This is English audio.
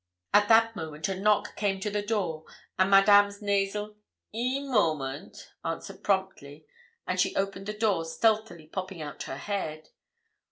At that moment a knock came to the door, and Madame's nasal 'in moment' answered promptly, and she opened the door, stealthily popping out her head.